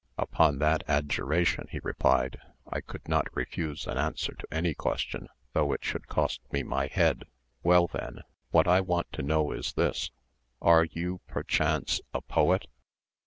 "Upon that adjuration," he replied, "I could not refuse an answer to any question, though it should cost me my head." "Well, then, what I want to know is this: are you, perchance, a poet?"